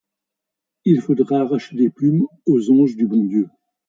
Il faudrait arracher des plumes aux anges du bon Dieu.